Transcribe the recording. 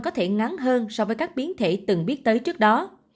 có thể ngắn hơn so với các biến thể từng biết tới trước đó